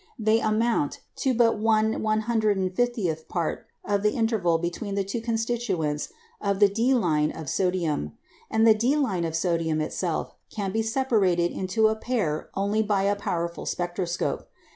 They amount to but 1/150th part of the interval between the two constituents of the D line of sodium; and the D line of sodium itself can be separated into a pair only by a powerful spectroscope.